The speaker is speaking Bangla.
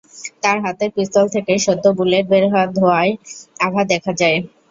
তাঁর হাতের পিস্তল থেকে সদ্য বুলেট বের হওয়ার ধোঁয়ার আভা দেখা যায়।